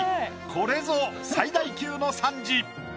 これぞ最大級の賛辞！